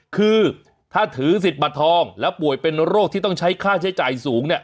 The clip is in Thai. คือถ้าถือสิทธิ์บัตรทองแล้วป่วยเป็นโรคที่ต้องใช้ค่าใช้จ่ายสูงเนี่ย